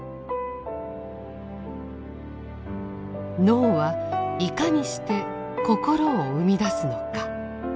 脳はいかにして心を生み出すのか。